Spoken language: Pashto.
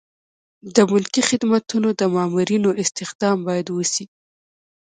د ملکي خدمتونو د مامورینو استخدام باید وشي.